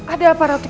ada apa ratu kidul